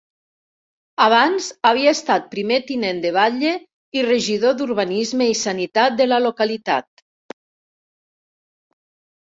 Abans havia estat primer tinent de batle i regidor d'Urbanisme i Sanitat de la localitat.